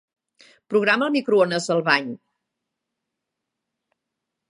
Programa el microones del bany.